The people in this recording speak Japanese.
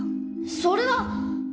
それは！